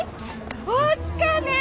大きかねー。